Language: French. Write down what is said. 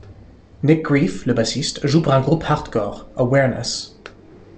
Nick Greif, le bassiste, joue pour un groupe hardcore, Awareness.